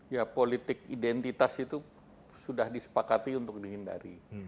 ya politik identitas itu sudah disepakati untuk dihindari